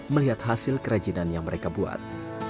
melihat hasil kerajinan yang mereka buat